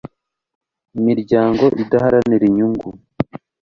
imiryango idaharanira inyungu